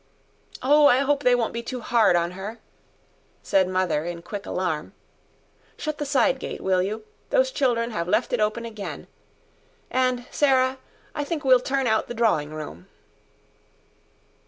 "Oh, I hope they won't be too hard on her," said Mother in quick alarm. "Shut the side gate, will you. Those children have left it open again. And, Sarah, I think we'll turn out the drawing room."